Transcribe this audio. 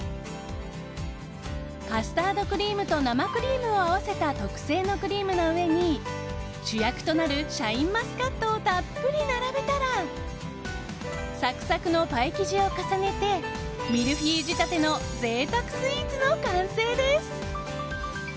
カスタードクリームと生クリームを合わせた特製のクリームの上に主役となるシャインマスカットをたっぷり並べたらサクサクのパイ生地を重ねてミルフィーユ仕立ての贅沢スイーツの完成です。